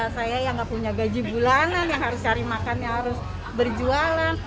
saya yang nggak punya gaji bulanan yang harus cari makan yang harus berjualan